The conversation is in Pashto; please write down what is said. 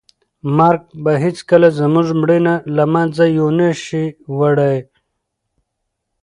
مرګ به هیڅکله زموږ مینه له منځه یو نه شي وړی.